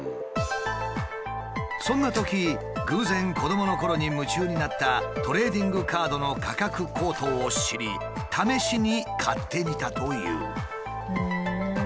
そんなとき偶然子どものころに夢中になったトレーディングカードの価格高騰を知り試しに買ってみたという。